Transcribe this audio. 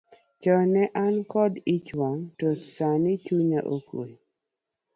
Chon ne an koda ich wang', to sani tinde chuya okwe.